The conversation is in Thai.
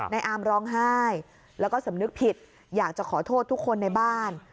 อาร์มร้องไห้แล้วก็สำนึกผิดอยากจะขอโทษทุกคนในบ้าน